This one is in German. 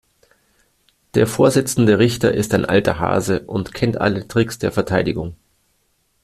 Der Vorsitzende Richter ist ein alter Hase und kennt alle Tricks der Verteidigung.